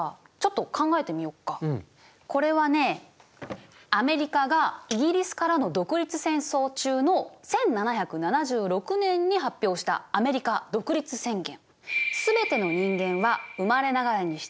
これはねアメリカがイギリスからの独立戦争中の１７７６年に発表したアメリカ独立宣言。